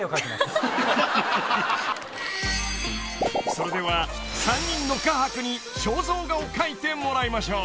［それでは３人の画伯に肖像画を描いてもらいましょう］